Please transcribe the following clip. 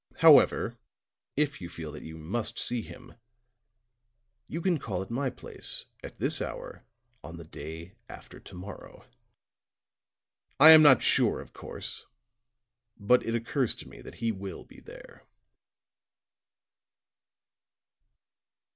However, if you feel that you must see him, you can call at my place at this hour on the day after to morrow. I am not sure, of course, but it occurs to me that he will be there."